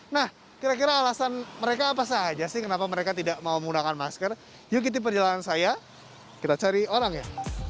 nah kira kira alasan mereka apa saja sih kenapa mereka tidak mau menggunakan masker yuk ikuti perjalanan saya kita cari orang ya